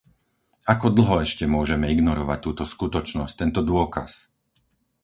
Ako dlho ešte môžeme ignorovať túto skutočnosť, tento dôkaz?